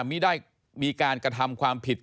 มีการกระทำความผิด